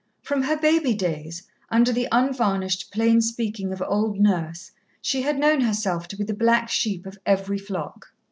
From her baby days, under the unvarnished plain speaking of old Nurse, she had known herself to be the black sheep of every flock.